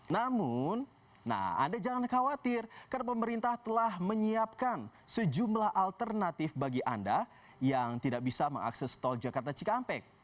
namun anda jangan khawatir karena pemerintah telah menyiapkan sejumlah alternatif bagi anda yang tidak bisa mengakses tol jakarta cikampek